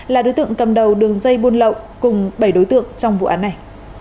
là đối tượng cầm đầu đường dây buôn lậu cùng bảy đối tượng trong vụ án này